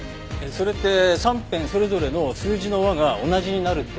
それって３辺それぞれの数字の和が同じになるっていう？